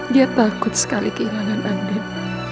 dia takut sekali kehilangan angin